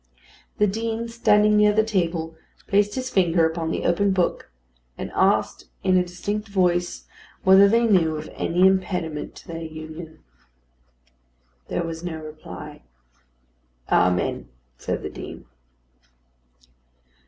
The Dean, standing near the table, placed his finger upon the open book, and asked in a distinct voice whether they knew of any impediment to their union. There was no reply. "Amen!" said the Dean.